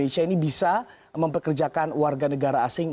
jadi ini adalah perusahaan yang sangat penting untuk memperkenalkan warga negara asing